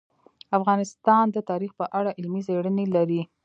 افغانستان د تاریخ په اړه علمي څېړنې لري.